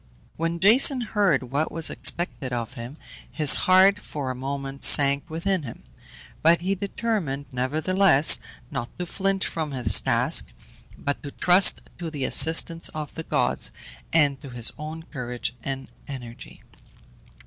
When Jason heard what was expected of him, his heart for a moment sank within him; but he determined, nevertheless, not to flinch from his task, but to trust to the assistance of the gods, and to his own courage and energy.